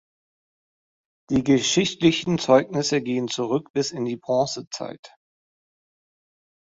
Die geschichtlichen Zeugnisse gehen zurück bis in die Bronzezeit.